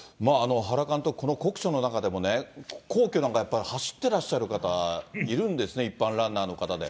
原監督、この酷暑の中でも皇居なんかやっぱり走ってらっしゃる方いるんですね、一般ランナーの方で。